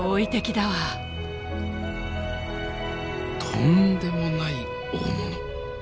とんでもない大物。